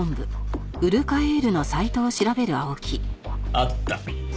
あった。